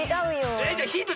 えじゃあヒント